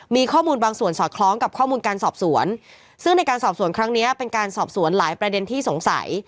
มีข้อมูลบางส่วนสอดคล้องกับข้อมูลการสอบสวนซึ่งในการสอบสวนครั้งนี้เป็นการสอบสวนหลายประเด็นที่สงสัย